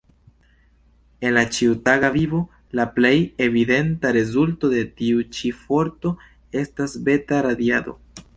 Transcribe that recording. En la ĉiutaga vivo, la plej evidenta rezulto de tiu ĉi forto estas beta-radiado.